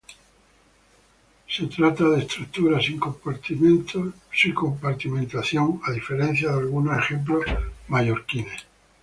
Se trata de estructuras sin compartimentación, a diferencia de algunos ejemplos mallorquines.